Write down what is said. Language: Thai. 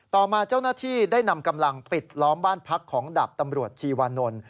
ต่อมาเจ้าหน้าที่ได้นำกำลังปิดล้อมบ้านพักของดาบตำรวจชีวานนท์